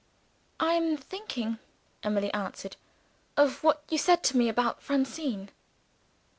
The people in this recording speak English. "I am thinking," Emily answered, "of what you said to me about Francine."